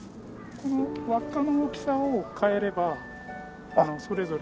この輪っかの大きさを変えればそれぞれ。